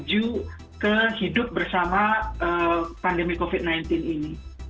untuk menuju kehidup bersama pandemi covid sembilan belas ini